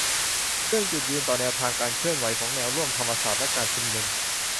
เรื่อง จุดยืนต่อแนวทางการเคลื่อนไหวของแนวร่วมธรรมศาสตร์และการชุมนุม